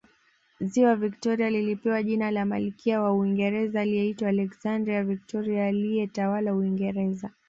Ziwa Victoria lilipewa jina la Malkia wa Uingereza aliyeitwa Alexandrina Victoria aliyetawala Uingereza